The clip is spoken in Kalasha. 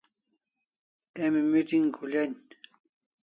Emi meeting khul'an